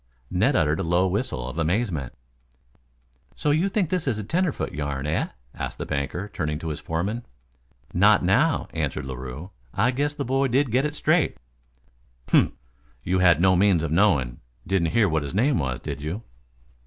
Ned uttered a low whistle of amazement. "So you think this is a tenderfoot yarn, eh?" asked the banker, turning to his foreman. "Not now," answered Larue. "I guess the boy did get it straight." "Humph! You had no means of knowing didn't hear what his name was, did you?"